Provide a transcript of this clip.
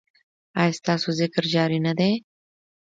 ایا ستاسو ذکر جاری نه دی؟